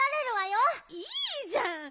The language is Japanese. いいじゃん！